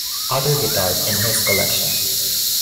Other guitars in his collection.